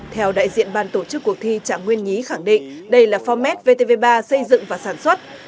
theo đại diện ban tổ chức cuộc thi trạng nguyên nhí khẳng định đây là format vtv ba xây dựng và sản xuất